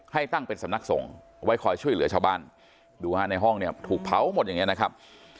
ให้ตั้งเป็นสำนักส่งไว้คอยช่วยเหลือชาวบ้านดูฮะในห้องเนี่ยถูกเผาหมดอย่างเงี้นะครับ